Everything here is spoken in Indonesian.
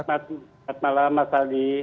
selamat malam mas ali